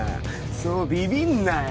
そうビビんなよ。